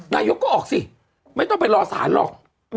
นายกก็ออกสิไม่ต้องไปรอสารหรอก